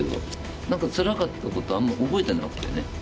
何かつらかったことはあんま覚えてなくてね。